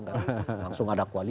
langsung ada koalisi